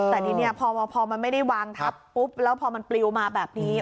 แต่นี่พอมันไม่ได้วางแล้วพอมันปลิวมาแบบนี้